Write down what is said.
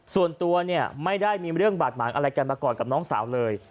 ส่วนตัวเนี่ยไม่ได้มีเรื่องบาดหมางอะไรกันมาก่อนกับน้องสาวเลย